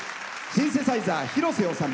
シンセサイザー、広瀬修。